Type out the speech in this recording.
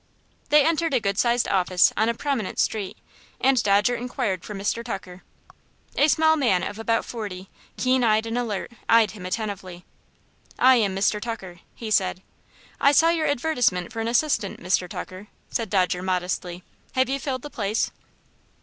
They entered a good sized office on a prominent street, and Dodger inquired for Mr. Tucker. A small man of about forty, keen eyed and alert, eyed him attentively. "I am Mr. Tucker," he said. "I saw your advertisement for an assistant, Mr. Tucker," said Dodger, modestly; "have you filled the place?"